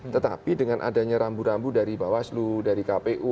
tetapi dengan adanya rambu rambu dari bawaslu dari kpu